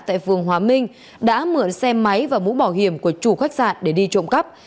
tại phường hóa minh đã mượn xe máy và mũ bảo hiểm của chủ khách sạn để đi trộm cắp